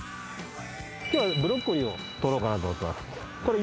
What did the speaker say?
きょうはブロッコリーを取ろうかなと思ってます。